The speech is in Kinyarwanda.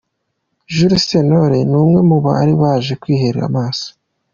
Jules Sentore ni umwe mu bari baje kwihera amaso.